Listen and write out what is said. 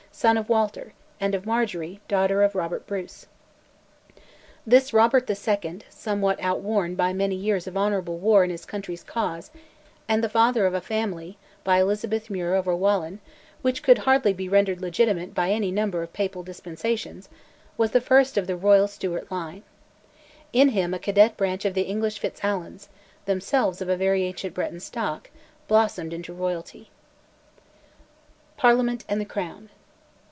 son of Walter, and of Marjorie, daughter of Robert Bruce. This Robert II., somewhat outworn by many years of honourable war in his country's cause, and the father of a family, by Elizabeth Mure of Rowallan, which could hardly be rendered legitimate by any number of Papal dispensations, was the first of the Royal Stewart line. In him a cadet branch of the English FitzAlans, themselves of a very ancient Breton stock, blossomed into Royalty. PARLIAMENT AND THE CROWN.